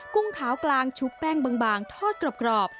กุ้งขาวกลางชุบแป้งบางทอดกรอบ